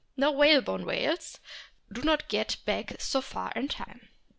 Now whalebone whales do not go back so far into time.